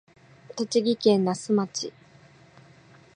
栃木県那須町